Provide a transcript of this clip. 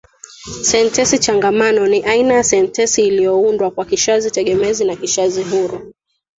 Sentensi changamano ni aina ya sentensi iliyoundwa kwa kishazi tegemezi na kishazi huru.